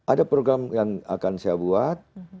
ada program yang akan saya buat